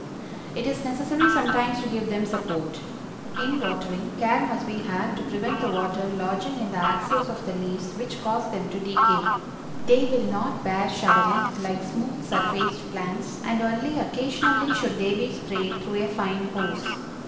It is necessary sometimes to give them support. In watering, care must be had to prevent the water lodging in the axils of the leaves, which cause them to decay. They will not bear showering like smooth surfaced plants, and only occasionally should they be sprayed through a fine hose.